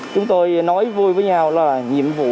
chúng tôi nói vui với nhau là nhiệm vụ